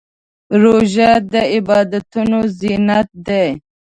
روژه د عبادتونو زینت دی.